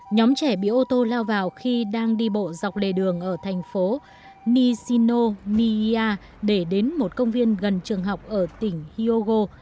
nhóm trẻ bị ô tô lao vào khi đang đi bộ dọc lề đường ở thành phố nishino niya để đến một công viên gần trường học ở tỉnh hyogo